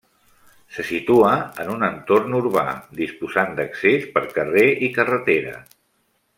Se situa en un entorn urbà, disposant d'accés per carrer i carretera.